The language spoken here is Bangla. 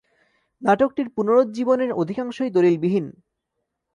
নাটকটির পুনরুজ্জীবনের অধিকাংশই দলিলবিহীন।